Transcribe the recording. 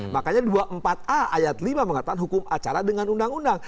makanya dua puluh empat a ayat lima mengatakan hukum acara dengan undang undang